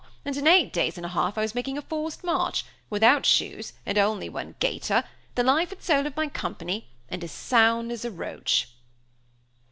and in eight days and a half I was making a forced march, without shoes, and only one gaiter, the life and soul of my company, and as sound as a roach!"